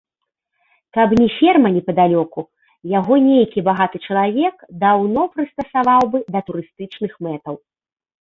Каб не ферма непадалёку, яго нейкі багаты чалавек даўно прыстасаваў бы для турыстычных мэтаў.